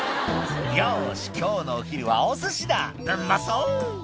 よし今日のお昼はお寿司だうんまそう！